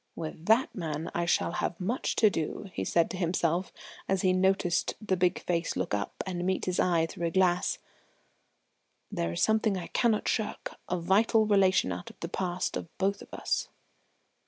"With that man I shall have much to do," he said to himself, as he noted the big face look up and meet his eye through the glass. "There is something I cannot shirk a vital relation out of the past of both of us."